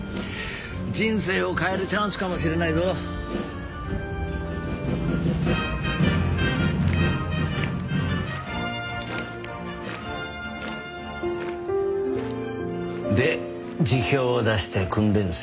人生を変えるチャンスかもしれないぞで辞表を出して訓練生になった。